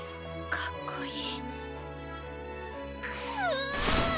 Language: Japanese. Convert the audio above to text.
かっこいい！！